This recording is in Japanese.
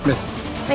はい。